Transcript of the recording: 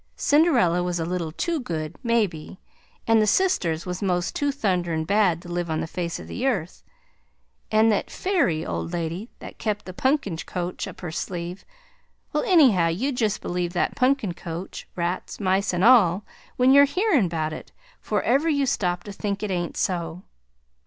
Cinderella was a little too good, mebbe, and the sisters was most too thunderin' bad to live on the face o' the earth, and that fayry old lady that kep' the punkin' coach up her sleeve well, anyhow, you jest believe that punkin' coach, rats, mice, and all, when you're hearin' bout it, fore ever you stop to think it ain't so.